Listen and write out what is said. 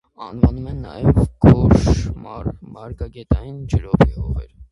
Անվանվում են նաև գորշ մարգագետնային ջրովի հողեր։